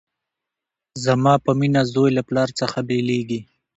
زما په مینه زوی له پلار څخه بیلیږي